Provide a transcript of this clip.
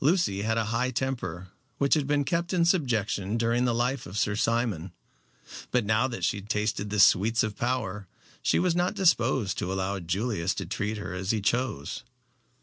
Lucy had a high temper, which had been kept in subjection during the life of Sir Simon. But now that she tasted the sweets of power she was not disposed to allow Julius to treat her as he chose.